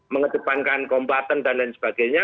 mengedepankan kombatan dan lain sebagainya